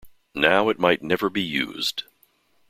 Now it might never be used.